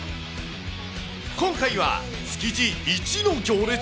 今回は築地イチの行列？